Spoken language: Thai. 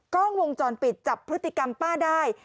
กล้องวงจรปิดจับพฤติกรรมป้าได้